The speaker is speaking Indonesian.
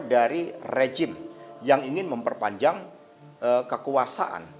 dari rejim yang ingin memperpanjang kekuasaan